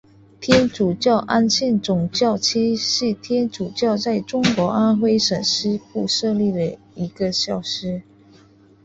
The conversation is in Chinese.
天主教安庆总教区是天主教在中国安徽省西部设立的一个教区。